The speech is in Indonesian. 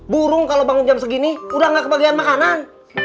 burung kalau bangun jam segini udah gak kebagian makanan